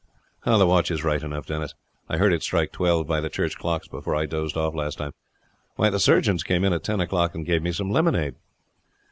"The watch is right enough, Denis. I heard it strike twelve by the church clocks before I dozed off last time. Why, the surgeons came in at ten o'clock and gave me some lemonade."